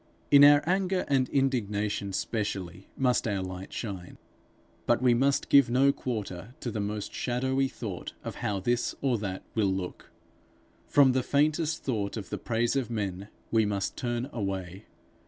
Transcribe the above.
In our anger and indignation, specially, must our light shine. But we must give no quarter to the most shadowy thought of how this or that will look. From the faintest thought of the praise of men, we must turn away.